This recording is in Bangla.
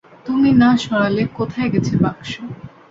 তুমি না সরালে, কোথায় গেছে বাক্স?